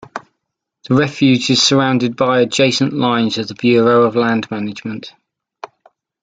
The refuge is surrounded by adjacent lines of the Bureau of Land Management.